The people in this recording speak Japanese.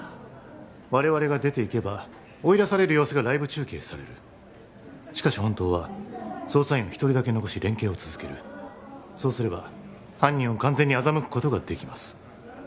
我々が出ていけば追い出される様子がライブ中継されるしかし本当は捜査員を一人だけ残し連携を続けるそうすれば犯人を完全に欺くことができます